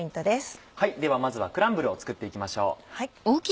ではまずはクランブルを作って行きましょう。